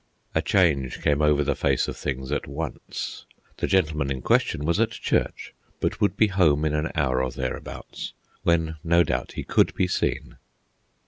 A change came over the face of things at once. The gentleman in question was at church, but would be home in an hour or thereabouts, when no doubt he could be seen.